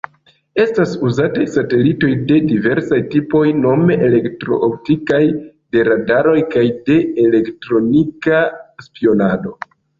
Estas uzataj satelitoj de diversaj tipoj, nome elektro-optikaj, de radaro kaj de elektronika spionado.